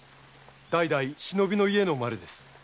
代々忍びの家の生まれです。